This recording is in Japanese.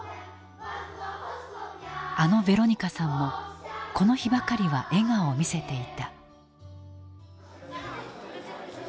あのヴェロニカさんもこの日ばかりは笑顔を見せていた。